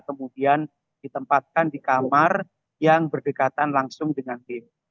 kemudian ditempatkan di kamar yang berdekatan langsung dengan tim